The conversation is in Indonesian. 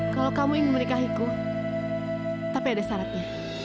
kalau kamu ingin menikahiku tapi ada syaratnya